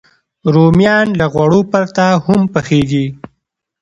رومیان له غوړو پرته هم پخېږي